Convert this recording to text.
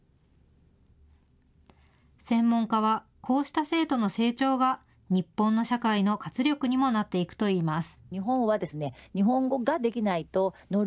専門家は、こうした生徒の成長が日本の社会の活力にもなっていくといいます。